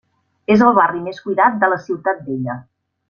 És el barri més cuidat de la Ciutat Vella.